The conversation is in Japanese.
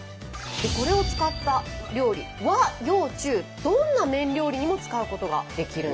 これを使った料理和洋中どんな麺料理にも使うことができるんです。